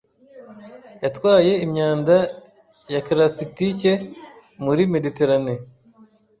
yatwaye imyanda ya clasitike muri Mediterane;